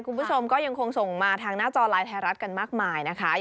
คุณผู้ชมก็ยังคงส่งมาทางหน้าจอไลน์ไทยรัฐกันมากมายนะคะ